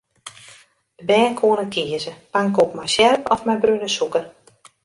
De bern koene kieze: pankoek mei sjerp of mei brune sûker.